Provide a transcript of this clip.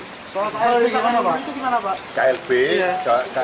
kalau klb itu gimana pak